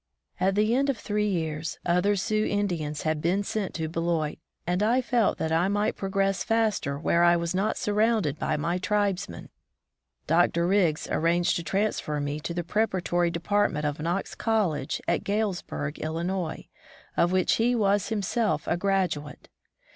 At the end of three years, other Sioux Indians had been sent to Beloit, and I felt that I might progress faster where I was not surrounded by my tribesmen. Dr. Riggs arranged to transfer me to the preparatory department of Knox College, at Galesburg, m., of which he was himself a graduate.